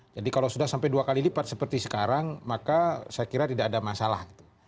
jadi kalau sudah sampai dua kali lipat seperti sekarang maka saya kira tidak ada masalah